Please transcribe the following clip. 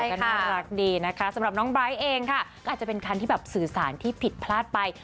ใช่ค่ะสำหรับน้องไบร์สเองค่ะอาจจะเป็นครั้งที่แบบสื่อสารที่ผิดพลาดไป